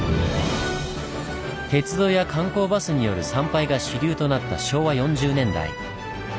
鉄道や観光バスによる参拝が主流となった昭和４０年代。